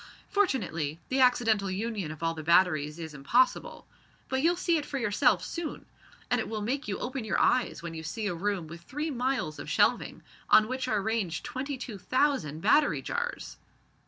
Fortunately the accidental union of all the batteries is impossible. But you'll see it for yourself soon. And it will make you open your eyes when you see a room with three miles of shelving, on which are ranged twenty two thousand battery jars."